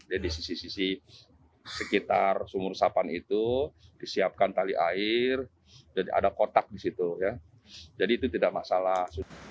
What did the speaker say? jadi di sisi sisi sekitar sumur resapan itu disiapkan tali air dan ada kotak di situ ya jadi itu tidak masalah